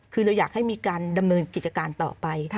คือเราอยากให้มีการดำเนินกิจการต่อไป